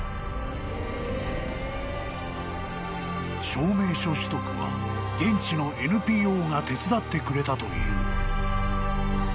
［証明書取得は現地のＮＰＯが手伝ってくれたという］